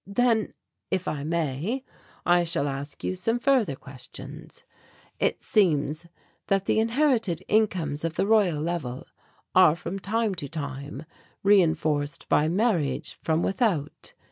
"Then, if I may, I shall ask you some further questions. It seems that the inherited incomes of the Royal Level are from time to time reinforced by marriage from without.